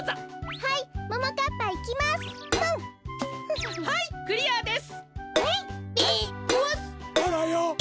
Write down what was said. はいクリアです！